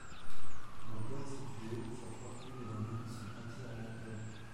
Mon père s’est tué, sa fortune et la mienne sont entièrement perdues.